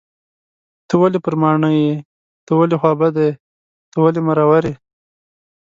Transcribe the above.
ته ولې پر ماڼي یې .ته ولې خوابدی یې .ته ولې مرور یې